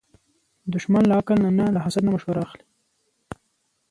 دښمن له عقل نه نه، له حسد نه مشوره اخلي